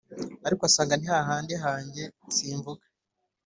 ariko asanga ni ha handi hanjye simvuga